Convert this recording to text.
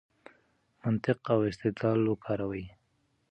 منطق او استدلال وکاروئ.